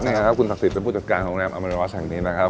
นี่นะครับคุณศักดิ์เป็นผู้จัดการโรงแรมอเมริวัสแห่งนี้นะครับ